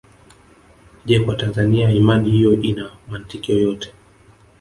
Je Kwa Tanzania imani hiyo ina mantiki yoyote